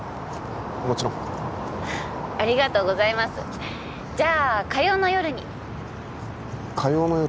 もちろんありがとうございますじゃあ火曜の夜に火曜の夜？